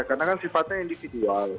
karena kan sifatnya individual